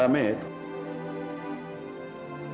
dia menangvale suasana aku